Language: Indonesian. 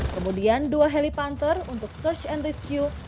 kemudian dua helipanter untuk search and rescue